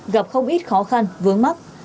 gặp không ít khó khăn vướng mắt